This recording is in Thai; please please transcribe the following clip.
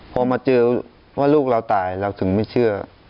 พอมาเจอว่าลูกเราตายเราถึงไม่เชื่อ